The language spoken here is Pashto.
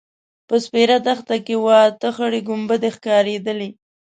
په سپېره دښته کې اوه – اته خړې کومبدې ښکارېدلې.